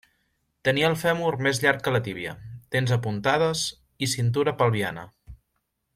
Tenia el fèmur més llarg que la tíbia, dents apuntades i cintura pelviana.